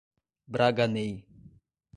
Braganey